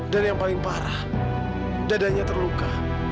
dan yang paling parah dadanya terluka